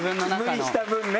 無理した分ね